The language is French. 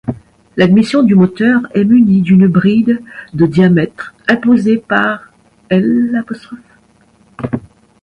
L'admission du moteur est munie d'une bride de de diamètre, imposée par l'.